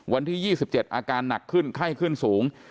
วันที่๒๗อาการหนักขึ้นไข้ขึ้นสูง